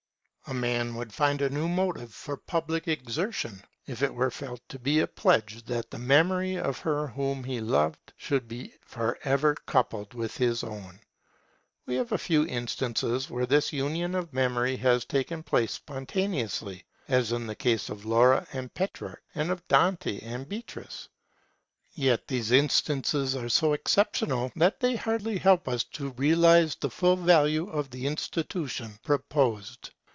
A man would find a new motive for public exertion, if it were felt to be a pledge that the memory of her whom he loved should be for ever coupled with his own. We have a few instances where this union of memories has taken place spontaneously, as in the case of Laura and Petrarch, and of Dante and Beatrice. Yet these instances are so exceptional, that they hardly help us to realize the full value of the institution proposed.